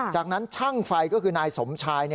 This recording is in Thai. จากนั้นช่างไฟก็คือนายสมชาย